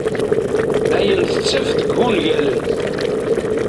Ayen tettaf deg ungalen.